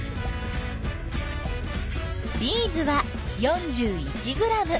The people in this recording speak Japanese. ビーズは４１ｇ。